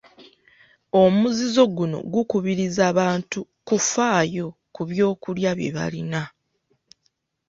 Omuzizo guno gukubiriza bantu kufaayo ku byokulya bye balina.